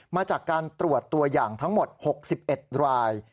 มาจากการตรวจตัวอย่างทั้งหมด๖๑ราย